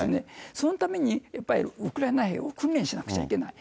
そのためにやっぱり、ウクライナ兵を工面しなくちゃいけない。